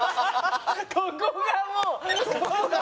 ここがもう。